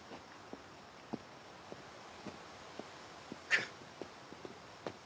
くっ！